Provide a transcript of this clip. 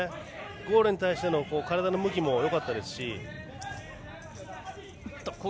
ゴールに対しての体の向きもよかったですし。